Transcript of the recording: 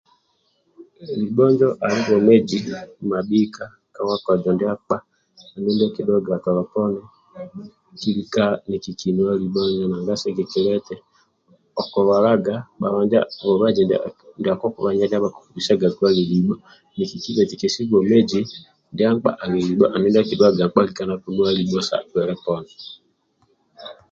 Libho njo ali bwomezi bhabhika kabwomezi ndia mkpa akidhuwaga tolo pooni kilika nikikinuwa nanga sigikilya nti okulwalaga mubazi ndia kokubanja ndia bakukubisagaku andi libho kesi bwomezi ndyampka andi libho andulu ndia kidhuwaga mpka anuwa libho Bailey poon